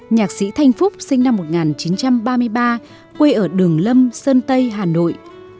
nhạc sĩ thanh phúc sinh năm một nghìn chín trăm ba mươi ba quê ở đường lâm sơn tây hà nội